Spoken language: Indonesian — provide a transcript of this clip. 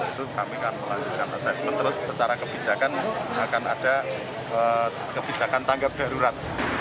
itu kami akan melanjutkan asesmen terus secara kebijakan akan ada kebijakan tanggap darurat